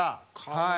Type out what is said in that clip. はい。